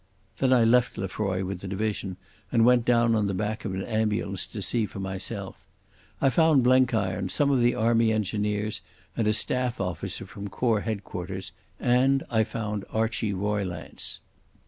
Then I left Lefroy with the division and went down on the back of an ambulance to see for myself. I found Blenkiron, some of the Army engineers, and a staff officer from Corps Headquarters, and I found Archie Roylance.